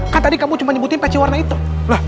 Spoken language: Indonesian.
kan tadi kamu cuma nyebutin peci warna hitam